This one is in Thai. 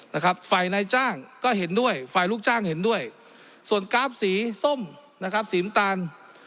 นะครับฝ่ายนายจ้างก็เห็นด้วยฝ่ายลูกจ้างเห็นด้วยส่วนกราฟสีส้มนะครับสีน้ำตาล